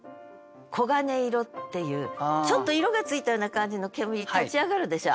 ちょっと色がついたような感じの煙立ち上がるでしょ？